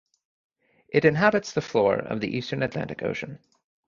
It inhabits the floor of the eastern Atlantic Ocean.